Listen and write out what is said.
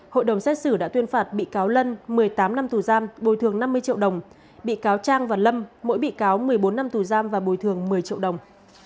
hội đồng xét xử đã tuyên phạt bị cáo lân một mươi tám năm tù giam bồi thường năm mươi triệu đồng bị cáo trang và lâm mỗi bị cáo một mươi bốn năm tù giam và bồi thường một mươi triệu đồng